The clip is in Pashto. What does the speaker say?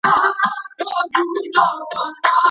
که درس اوږد وي نو ستړیا منځته راوړي.